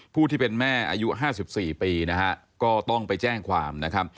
ผู้ที่เป็นแม่อายุ๕๔ปีนะฮะก็ต้องไปแจ้งความนะครับ